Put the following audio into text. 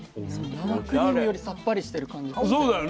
生クリームよりさっぱりしてる感じがして。